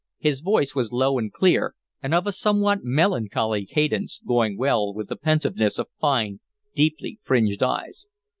His voice was low and clear, and of a somewhat melancholy cadence, going well with the pensiveness of fine, deeply fringed eyes.